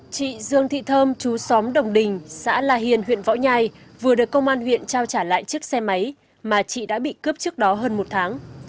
chị dương thị thơm chú xóm đồng đình xã la hiền huyện võ nhai vừa được công an huyện trao trả lại chiếc xe máy mà chị đã bị cướp trước đó hơn một tháng